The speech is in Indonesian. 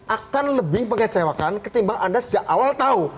akan lebih mengecewakan ketimbang anda sejak awal tahu